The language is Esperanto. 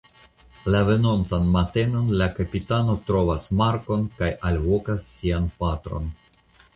La venontan matenon la kapitano trovas Marko'n kaj alvokas sian patron.